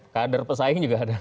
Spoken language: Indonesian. kader pesaing juga ada